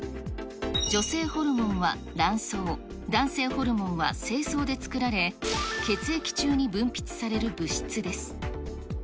女性ホルモンは卵巣、男性ホルモンは精巣で作られ、血液中に分泌される物質です。